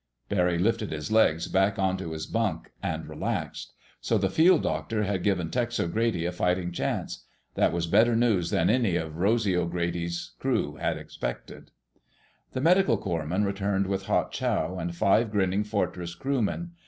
Barry lifted his legs back onto his bunk and relaxed. So the field doctor had given Tex O'Grady a fighting chance! That was better news than any of Rosy's crew had expected. The medical corps man returned with hot chow and five grinning Fortress crewmen.